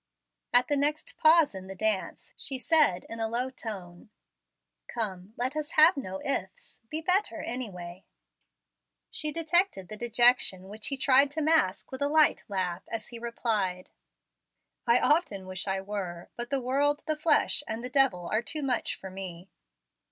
At the next pause in the dance she said, in a low tone, "Come, let us have no 'ifs.' Be better anyway." She detected the dejection which he tried to mask with a light laugh, as he replied, "I often wish I were, but the world, the flesh, and the devil are too much for me."'